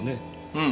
うん。